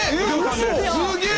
すげえ！